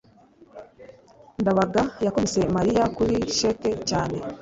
ndabaga yakubise mariya kuri cheque cyane